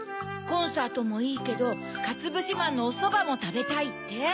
「コンサートもいいけどかつぶしまんのおそばもたべたい」って？